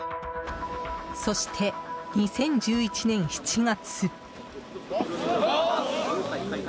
そして、２０１１年７月。